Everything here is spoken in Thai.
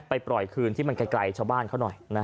ปล่อยคืนที่มันไกลชาวบ้านเขาหน่อย